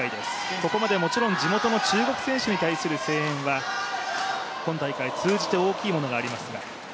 ここまでもちろん地元の中国選手に対する声援は、今大会通じて大きいものがありますが。